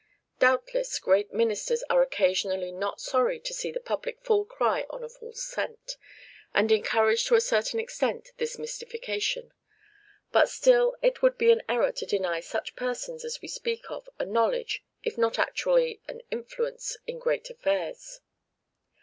Doubtless great ministers are occasionally not sorry to see the public full cry on a false scent, and encourage to a certain extent this mystification; but still it would be an error to deny to such persons as we speak of a knowledge, if not actually an influence, in great affairs.